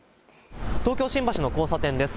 東京新橋の交差点です。